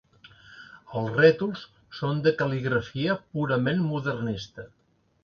Els rètols són de cal·ligrafia purament modernista.